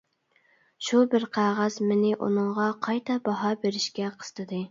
شۇ بىر قەغەز مېنى ئۇنىڭغا قايتا باھا بېرىشكە قىستىدى.